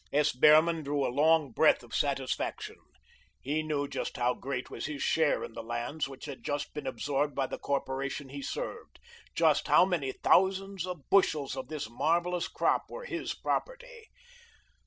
S. Behrman drew a long breath of satisfaction. He knew just how great was his share in the lands which had just been absorbed by the corporation he served, just how many thousands of bushels of this marvellous crop were his property.